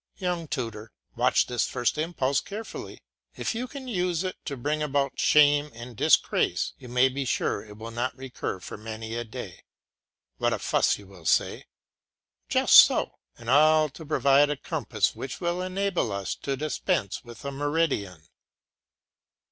Young tutor, watch this first impulse carefully. If you can use it to bring about shame and disgrace, you may be sure it will not recur for many a day. What a fuss you will say. Just so; and all to provide a compass which will enable us to dispense with a meridian!